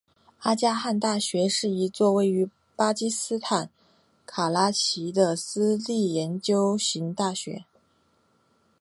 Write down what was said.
阿迦汗大学是一座位于巴基斯坦卡拉奇的私立研究型大学。